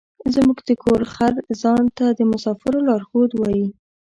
زموږ د کور خر ځان ته د مسافرو لارښود وايي.